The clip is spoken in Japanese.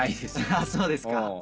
あぁそうですか。